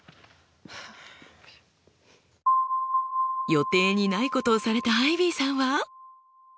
予定にないことをされたアイビーさんは。